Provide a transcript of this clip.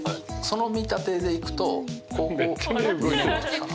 その見立てでいくと。